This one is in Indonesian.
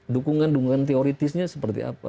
dukungan dukungan teoritisnya seperti apa